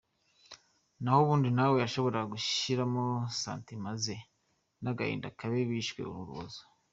Naho ubundi nawe yashoboraga gushyiramo sentiments ze n’agahinda k’abe bishwe urubozo.